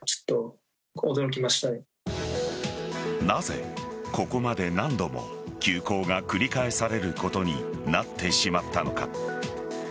なぜ、ここまで何度も休校が繰り返されることになってしまったのか。